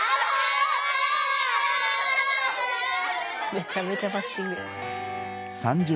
めちゃめちゃバッシング。